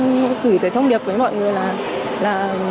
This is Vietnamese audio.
gửi thông điệp với mọi người là